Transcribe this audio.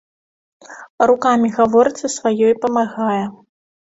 Рукамі гаворцы сваёй памагае.